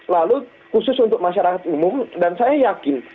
lalu khusus untuk masyarakat umum dan saya yakin